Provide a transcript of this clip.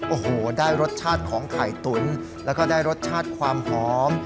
โอ้โหได้รสชาติของไข่ตุ๋นแล้วก็ได้รสชาติความหอม